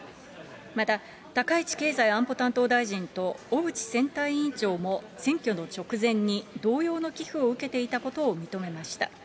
また、高市経済安保担当大臣と小渕選対委員長も、選挙の直前に同様の寄付を受けていたことを認めました。